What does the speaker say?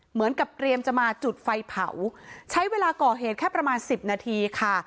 เหมือนกับเตรียมจะมาจุดไฟเผาใช้เวลาก่อเหตุแค่ประมาณสิบนาทีค่ะ